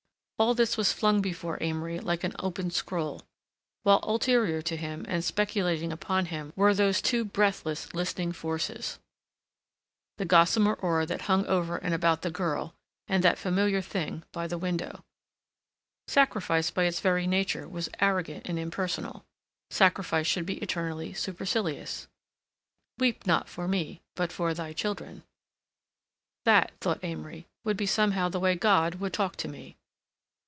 ... All this was flung before Amory like an opened scroll, while ulterior to him and speculating upon him were those two breathless, listening forces: the gossamer aura that hung over and about the girl and that familiar thing by the window. Sacrifice by its very nature was arrogant and impersonal; sacrifice should be eternally supercilious. Weep not for me but for thy children. That—thought Amory—would be somehow the way God would talk to me.